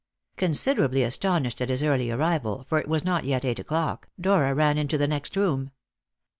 Considerably astonished at his early arrival, for it was not yet eight o'clock, Dora ran into the next room.